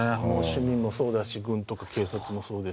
市民もそうだし軍とか警察もそうですし。